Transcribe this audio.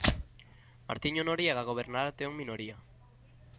Martiño Noriega gobernará Teo en minoría.